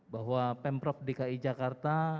bahwa pemprov dki jakarta